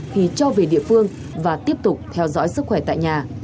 khi cho về địa phương và tiếp tục theo dõi sức khỏe tại nhà